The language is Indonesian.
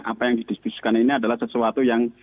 apa yang didiskusikan ini adalah sesuatu yang